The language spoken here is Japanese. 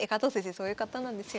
そういう方なんですよ。